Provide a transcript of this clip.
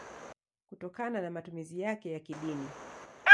kutokana na matumizi yake ya kidini.